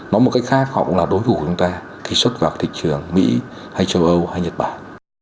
nói một cách khác họ cũng là đối thủ của chúng ta khi xuất vào thị trường mỹ hay châu âu hay nhật bản